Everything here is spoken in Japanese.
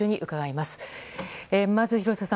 まず廣瀬さん